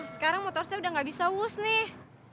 sekarang motor saya udah nggak bisa wuss nih